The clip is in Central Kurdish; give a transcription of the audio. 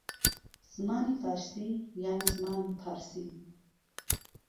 زمانی فارسی یان زمانی پارسی